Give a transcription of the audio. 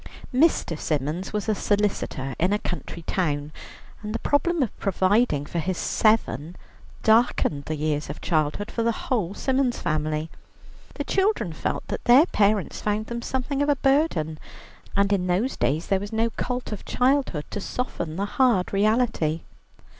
Mr. Symons was a solicitor in a country town, and the problem of providing for his seven, darkened the years of childhood for the whole Symons family. The children felt that their parents found them something of a burden, and in those days there was no cult of childhood to soften the hard reality.